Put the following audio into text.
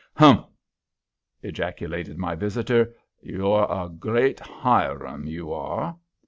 "Humph!" ejaculated my visitor. "You're a great Hiram, you are."